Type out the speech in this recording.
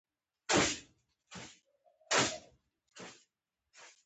ګورنرجنرال دا پېشنهاد رد کړ.